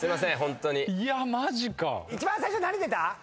一番最初何出た？